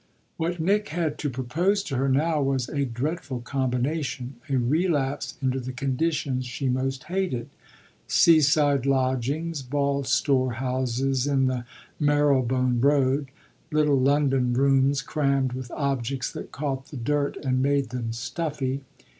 What Nick had to propose to her now was a dreadful combination, a relapse into the conditions she most hated seaside lodgings, bald storehouses in the Marylebone Road, little London rooms crammed with objects that caught the dirt and made them stuffy.